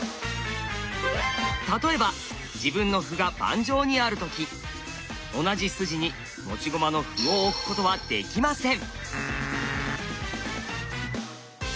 例えば自分の歩が盤上にある時同じ筋に持ち駒の歩を置くことはできません。